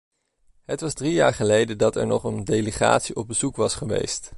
Het was drie jaar geleden dat er nog een delegatie op bezoek was geweest.